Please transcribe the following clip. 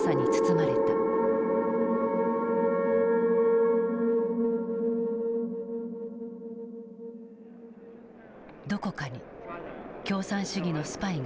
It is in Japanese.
どこかに共産主義のスパイが潜んでいる。